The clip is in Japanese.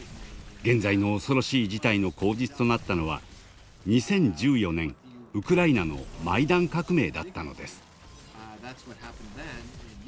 現在の恐ろしい事態の口実となったのは２０１４年、ウクライナのマイダン革命だったのです。